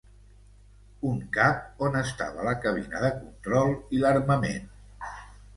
Un cap on estava la cabina de control i l'armament.